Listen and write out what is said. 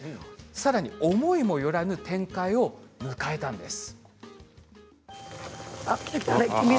さらには思いもよらぬ展開を迎えました。